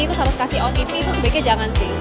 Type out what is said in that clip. terus harus kasih otp itu sebaiknya jangan sih